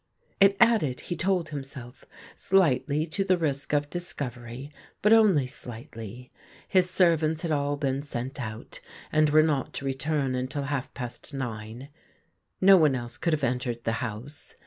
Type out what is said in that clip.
It added, he told himself, slightly to the risk of discovery, but only slightly. His servants had all been sent out and were not to return until half past nine. No one else could have entered the house.